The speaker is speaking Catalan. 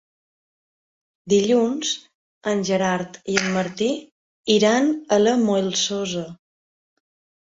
Dilluns en Gerard i en Martí iran a la Molsosa.